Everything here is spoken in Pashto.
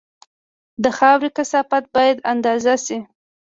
د خاورې کثافت باید اندازه شي